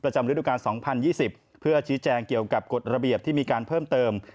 จำฤดูกาล๒๐๒๐เพื่อชี้แจงเกี่ยวกับกฎระเบียบที่มีการเพิ่มเติม